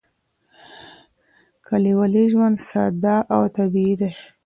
کلیوالي ژوند ساده او طبیعي دی.